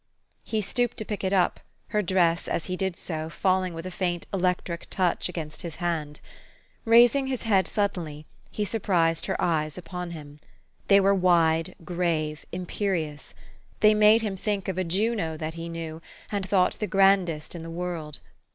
He stooped to pick it up, her dress, as he did so, falling with a faint electric touch against his hand. Raising his head suddenly, he surprised her eyes upon him. They were wide, grave, imperious. They made him think of a Juno that he knew, and thought the grandest in the world.